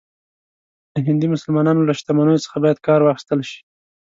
د هندي مسلمانانو له شتمنیو څخه باید کار واخیستل شي.